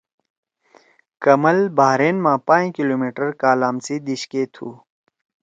کمل بحرین ما پائں کلومیٹر کالام سی دیِش کے تُھو۔